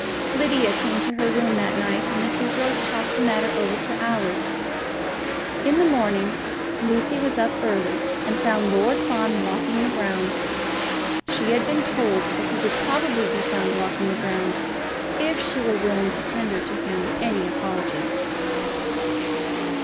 Lydia came into her room that night, and the two girls talked the matter over for hours. In the morning Lucy was up early, and found Lord Fawn walking in the grounds. She had been told that he would probably be found walking in the grounds, if she were willing to tender to him any apology.